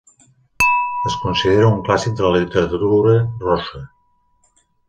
Es considera un clàssic de la literatura russa.